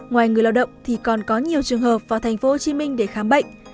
ngoài người lao động thì còn có nhiều trường hợp vào thành phố hồ chí minh để khám bệnh